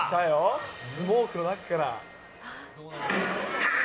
スモークの中から。